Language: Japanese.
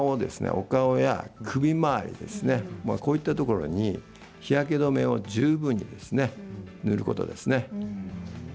お顔や首周り、こういったところに日焼け止めを十分に塗ることですね。